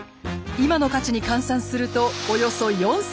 今の価値に換算するとおよそ４，０００万円。